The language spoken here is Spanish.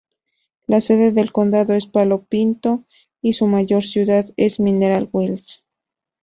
La sede del condado es Palo Pinto, y su mayor ciudad es Mineral Wells.